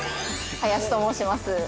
◆林と申します。